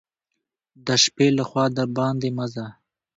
د شپې له خوا دباندي مه ځه !